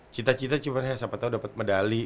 cita cita cuman ya siapa tau dapet medali